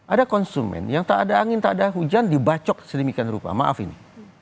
ada konsumen yang tak ada angin tak ada hujan dibacok sedemikian rupa maaf ini